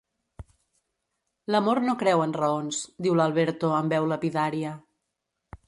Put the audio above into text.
L'amor no creu en raons –diu l'Alberto, amb veu lapidària.